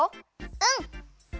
うん。